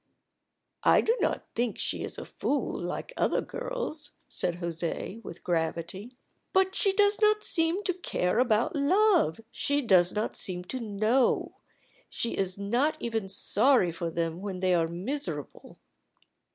"I do not think she is a fool like other girls," said José, with gravity. "But she does not seem to care about love; she does not seem to know. She is not even sorry for them when they are miserable."